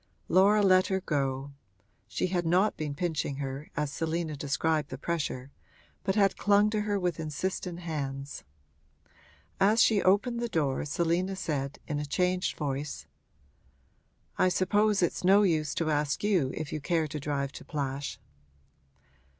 Laura let her go; she had not been pinching her, as Selina described the pressure, but had clung to her with insistent hands. As she opened the door Selina said, in a changed voice: 'I suppose it's no use to ask you if you care to drive to Plash.'